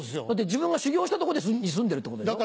自分が修業したとこに住んでるってことでしょ？